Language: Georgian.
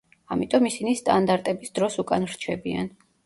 ამიტომ ისინი სტანდარტების დროს უკან რჩებიან.